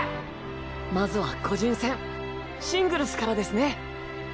まずは個人戦シングルスからですね。